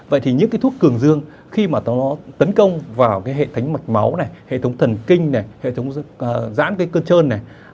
vậy thì những cái thuốc cường dương khi mà nó tấn công vào cái hệ thống mạch máu này hệ thống thần kinh này hệ thống giãn cái cơn trơn này